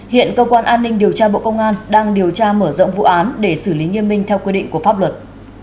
hiện cơ quan an ninh điều tra bộ công an đang điều tra mở rộng vụ án để xử lý nghiêm minh theo quy định của pháp luật